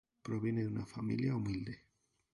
Proviene de una familia humilde.